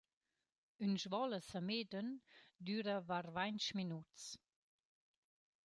Ün svoul a Samedan düra var vainch minuts.